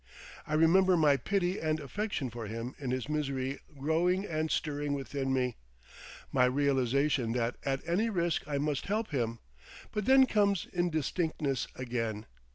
I remember my pity and affection for him in his misery growing and stirring within me, my realisation that at any risk I must help him. But then comes indistinctness again.